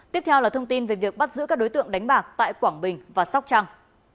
tiếp theo là thông tin về việc bắt giữ các đối tượng đánh bạc tại quảng bình và sóc trăng